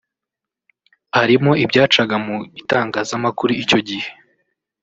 Harimo ibyacaga mu itangazamakuru icyo gihe